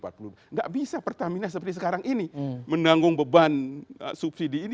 tidak bisa pertamina seperti sekarang ini menanggung beban subsidi ini